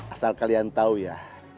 asal kalian tahu ya